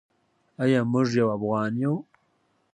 ایا موږ یو افغان یو؟